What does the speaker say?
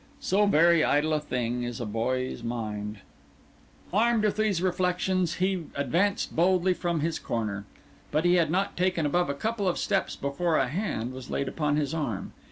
So very idle a thing is a boy's mind! Armed with these reflections, he advanced boldly from his corner; but he had not taken above a couple of steps before a hand was laid upon his arm.